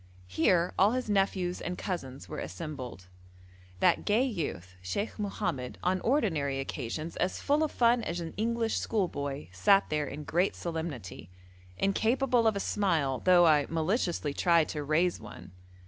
Here all his nephews and cousins were assembled. That gay youth Sheikh Mohammed, on ordinary occasions as full of fun as an English schoolboy, sat there in great solemnity, incapable of a smile though I maliciously tried to raise one.